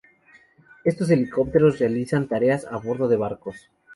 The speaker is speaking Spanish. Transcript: Estos helicópteros realizan tareas a bordo de barcos.